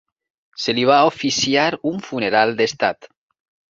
Se li va oficiar un funeral d'estat.